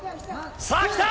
さあ、きた。